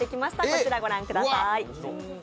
こちら御覧ください。